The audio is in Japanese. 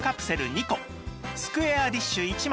２個スクエアディッシュ１枚